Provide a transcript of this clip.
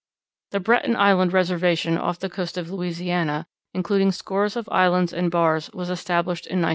The Breton Island Reservation off the coast of Louisiana, including scores of islands and bars, was established in 1904.